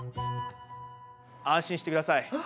安心してください。